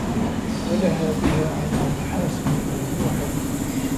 وَلَهَا بِهَا عَنْ الْمَحَاسِنِ الْمَمْنُوحَةِ